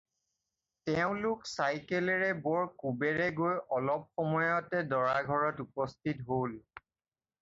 তেওঁলোক চাইকেলেৰে বৰ কোবেৰে গৈ অলপ সময়তে দৰাঘৰত উপস্থিত হ'ল।